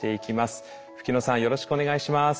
よろしくお願いします。